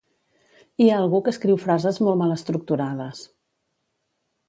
Hi ha algú que escriu frases molt mal estructurades